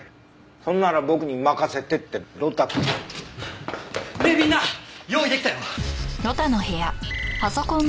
それなら僕に任せてって呂太くんが。ねえみんな用意出来たよ。